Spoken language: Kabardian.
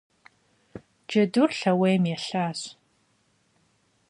Джэдур лъэуейм елъыхащ.